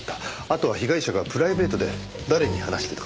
あとは被害者がプライベートで誰に話していたかですねえ。